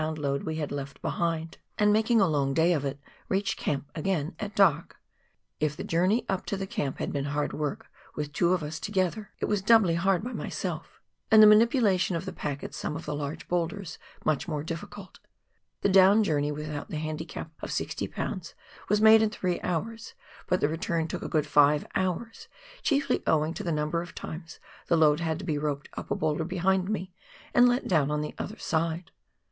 load we had left behind, and making a long day of it, reached camp again at dark. If the journey up to the camp had been hard work with two of us together, it was doubly 132 PIONEER WORK IN THE ALPS OF NEW ZEALAND. hard by myself, and the manipulation of the pack at some of the large boulders much more difficult. The dowu journey without the handicap of 60 lbs. was made in three hours, but the return took a good five hours, chiefly owing to the number of times the load had to be roped up a boulder behind me, and let down on the other side.